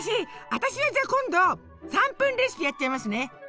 私はじゃあ今度３分レシピやっちゃいますね。